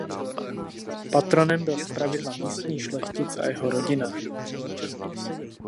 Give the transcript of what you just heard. Patronem byl zpravidla místní šlechtic a jeho rodina.